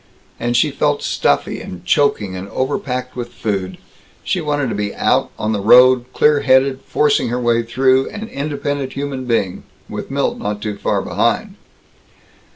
And she felt stuffy and choking and overpacked with food. She wanted to be out on the road, clear headed, forcing her way through, an independent human being with Milt not too far behind.